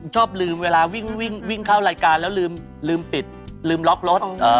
ชอบลืมเวลาวิ่งเข้ารายการแล้วลืมปิดลืมล็อกรถ